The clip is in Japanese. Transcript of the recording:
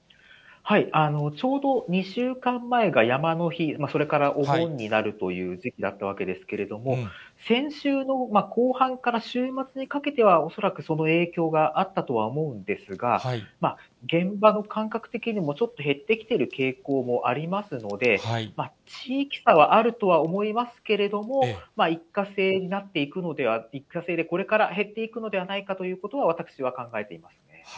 ちょうど２週間前が山の日、それからお盆になるという時期だったわけですけれども、先週の後半から週末にかけては、恐らくその影響があったとは思うんですが、現場の感覚的にも、ちょっと減ってきている傾向もありますので、地域差はあるとは思いますけれども、一過性になっていくのでは、一過性で、これから減っていくのではないかということは、私は考えています。